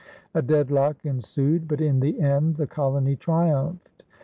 A deadlock ensued, but in the end the colony triumphed.